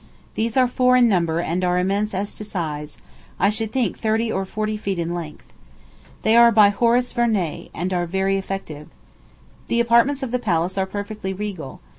These are four in number, and are immense as to size I should think thirty or forty feet in length. They are by Horace Vernet, and are very effective. The apartments of the palace are perfectly regal.